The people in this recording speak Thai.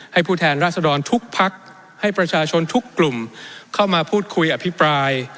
ผู้แทนราษฎรทุกพักให้ประชาชนทุกกลุ่มเข้ามาพูดคุยอภิปราย